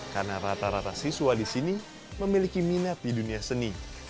karena rata rata siswa di sini memiliki minat di dunia seni